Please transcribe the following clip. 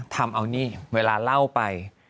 ทำเอานี่เวลาเล่าไป